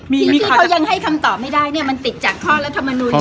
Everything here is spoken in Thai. ที่เขายังให้คำตอบไม่ได้เนี่ยมันติดจากข้อรัฐมนุน